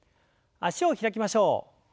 脚を開きましょう。